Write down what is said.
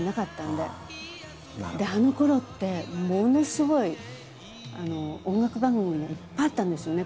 であのころってものすごい音楽番組がいっぱいあったんですよね